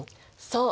そう！